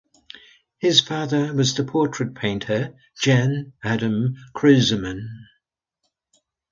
His father was the portrait painter Jan Adam Kruseman.